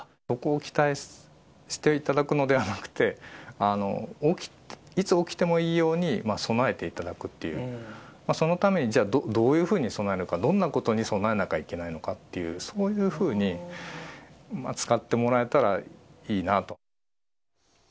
そこを期待していただくのではなくて、いつ起きてもいいように備えていただくっていう、そのために、じゃあ、どういうふうに備えるか、どんなことに備えなきゃいけないのかっていう、そういうふうに使ってもらえたらいいなと。